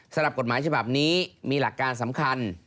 สำหรับกฎหมายฉบับนี้มีหลักการสำคัญ